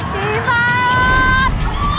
กี่บาท